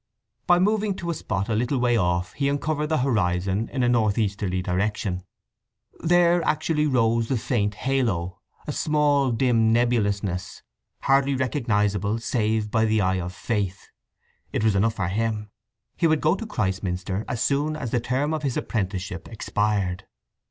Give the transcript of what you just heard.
By moving to a spot a little way off he uncovered the horizon in a north easterly direction. There actually rose the faint halo, a small dim nebulousness, hardly recognizable save by the eye of faith. It was enough for him. He would go to Christminster as soon as the term of his apprenticeship expired.